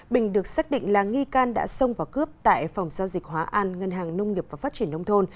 bình được xác định là nghi can đã xông vào cướp tại phòng giao dịch hóa an ngân hàng nông nghiệp và phát triển nông thôn